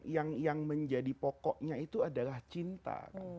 jadi yang menjadi pokoknya itu adalah cinta